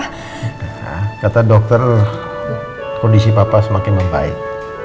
kata dokter kondisi papa semakin membaik